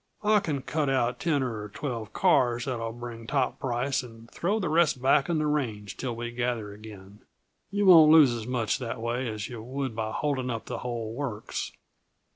"I can cut out ten of twelve cars that'll bring top price, and throw the rest back on the range till we gather again. Yuh won't lose as much that way as yuh would by holding up the whole works."